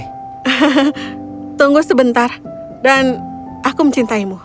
hahaha tunggu sebentar dan aku mencintaimu